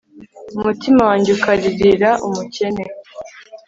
umutima wanjye ukaririra umukene